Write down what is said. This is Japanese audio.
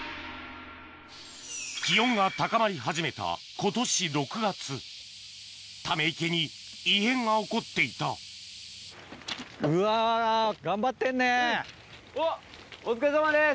気温が高まり始めた今年溜め池に異変が起こっていたおっお疲れさまです！